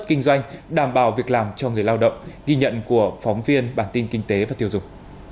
kinh doanh đảm bảo việc làm cho người lao động ghi nhận của phóng viên bản tin kinh tế và tiêu dùng